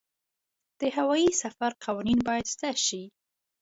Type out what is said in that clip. د هوايي سفر قوانین باید زده شي.